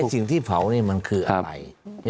สิ่งที่เผานี่มันคืออะไร